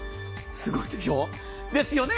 すごいでしょ？ですよね？